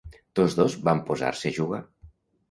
Tots dos van posar-se a jugar.